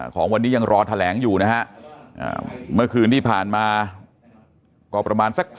ของวันนี้ยังรอแถลงอยู่นะฮะเมื่อคืนที่ผ่านมาก็ประมาณสัก